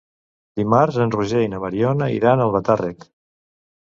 Dimarts en Roger i na Mariona iran a Albatàrrec.